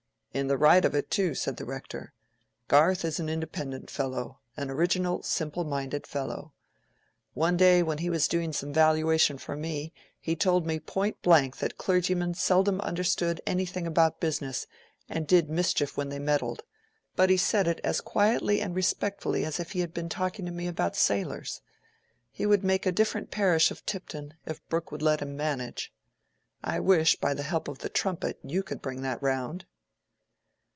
"In the right of it too," said the Rector. "Garth is an independent fellow: an original, simple minded fellow. One day, when he was doing some valuation for me, he told me point blank that clergymen seldom understood anything about business, and did mischief when they meddled; but he said it as quietly and respectfully as if he had been talking to me about sailors. He would make a different parish of Tipton, if Brooke would let him manage. I wish, by the help of the 'Trumpet,' you could bring that round."